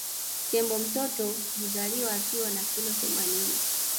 Tembo mtoto huzaliwa akiwa na kilo themanini